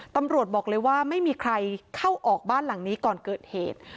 ตำรวจบอกเลยว่าไม่มีใครเข้าออกบ้านหลังนี้ก่อนเกิดเหตุ